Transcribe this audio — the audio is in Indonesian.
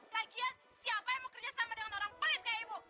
lagian siapa yang mau kerja sama dengan orang pelit kayak ibu